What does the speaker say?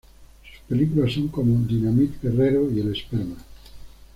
Sus películas son como Dynamite Guerrero y el esperma.